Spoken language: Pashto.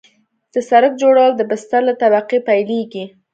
د سرک جوړول د بستر له طبقې پیلیږي